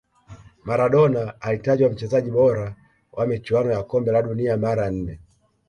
maradona alitajwa mchezaji bora wa michuano ya kombe la dunia mara nne